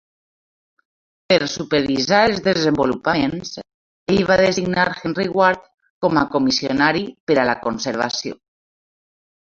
Per supervisar els desenvolupaments, ell va designar Henry Ward com a comissionari per a la conservació.